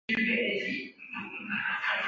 西藏噶厦的决定遭到中央政府的反对。